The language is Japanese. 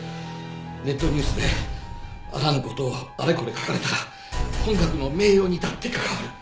ネットニュースであらぬ事をあれこれ書かれたら本学の名誉にだって関わる。